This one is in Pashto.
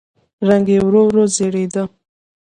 رنګ يې ورو ورو زېړېده.